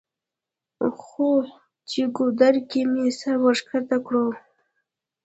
خو چې ګودر کښې مې سر ورښکته کړو